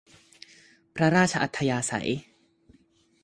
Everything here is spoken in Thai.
พระราชอัธยาศัย